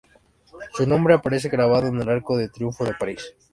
Su nombre aparece grabado en el Arco de Triunfo de París.